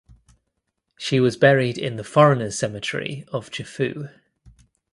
She was buried in the foreigners cemetery of Chefoo.